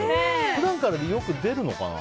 普段からよく出るのかな。